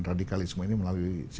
radikalisme ini melalui